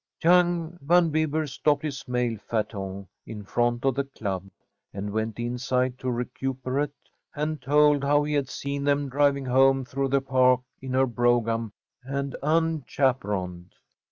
Young Van Bibber stopped his mail phaeton in front of the club, and went inside to recuperate, and told how he had seen them driving home through the Park in her brougham and unchaperoned.